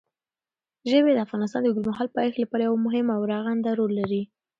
ژبې د افغانستان د اوږدمهاله پایښت لپاره یو مهم او رغنده رول لري.